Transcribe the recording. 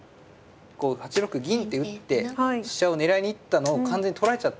８六銀って打って飛車を狙いに行ったのを完全に取られちゃったんで。